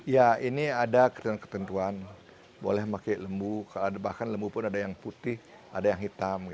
ya ini ada ketentuan ketentuan boleh pakai lembu bahkan lembu pun ada yang putih ada yang hitam